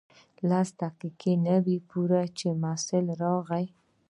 لس دقیقې نه وې پوره چې محصل راغی.